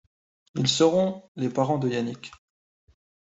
Ils seront les parents de Yannick.